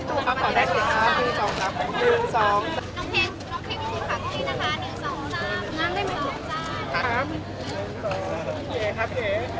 โอเคขอบคุณครับ